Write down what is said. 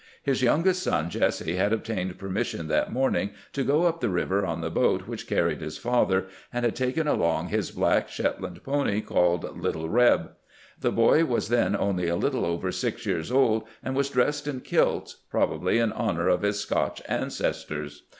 His youngest son, Jesse, had obtained permission that morning to go up the river on the boat which carried his father, and had taken along his black Shetland pony called " Little Eeb." The boy was then only a little over six years old, and was dressed in kilts, probably in honor of his Scotch ancestors.